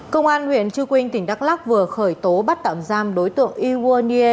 công an huyện chư quynh tỉnh đắk lắc vừa khởi tố bắt tạm giam đối tượng iwonie